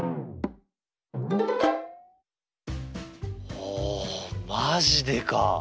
おおマジでか。